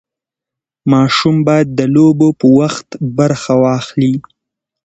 ماشوم باید د لوبو په وخت برخه واخلي.